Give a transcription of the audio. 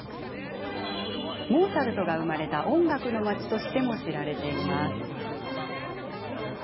モーツァルトが生まれた音楽の街としても知られています。